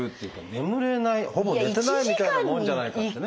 眠れないほぼ寝てないみたいなもんじゃないかってね。